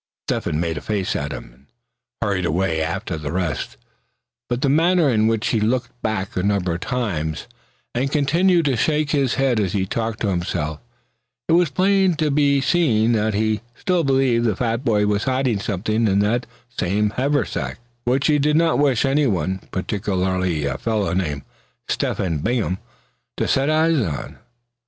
Step hen made a face at him, and hurried away after the rest; but from the manner in which he looked back a number of times, and continued to shake his head as he talked to himself, it was plain to be seen that he still believed the fat boy was hiding something in that same haversack, which he did not wish any one, particularly a fellow named Step hen Bingham, to set eyes on.